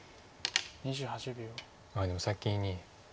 あっでも先に。